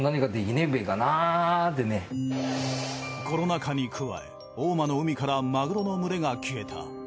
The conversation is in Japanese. コロナ禍に加え大間の海からマグロの群れが消えた。